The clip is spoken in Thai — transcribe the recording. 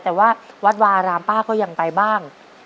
แต่ว่าวัดวาอารามป้าก็ยังไปบ้าง